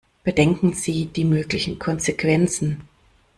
Bedenken Sie die möglichen Konsequenzen.